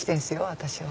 私は。